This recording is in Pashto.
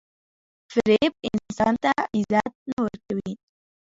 • فریب انسان ته عزت نه ورکوي.